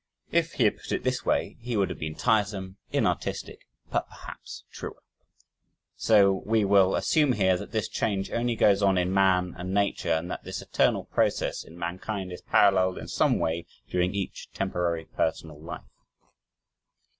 If he had put it this way, he would have been tiresome, inartistic, but perhaps truer. So we will assume here that this change only goes on in man and nature; and that this eternal process in mankind is paralleled in some way during each temporary, personal life.